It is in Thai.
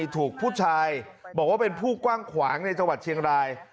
ถูกผู้ชายบอกว่าเป็นผู้กว้างขวางในจังหวัดเชียงราย